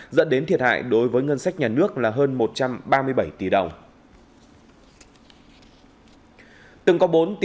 dẫn đến thiệt hại đối với ngân sách nhà nước là hơn một trăm ba mươi bảy tỷ đồng